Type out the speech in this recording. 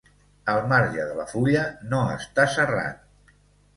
El marge de la fulla no està serrat.